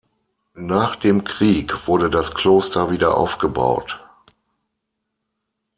Nach dem Krieg wurde das Kloster wieder aufgebaut.